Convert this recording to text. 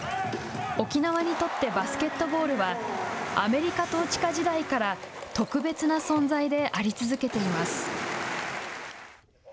沖縄にとって、バスケットボールはアメリカ統治下時代から特別な存在であり続けています。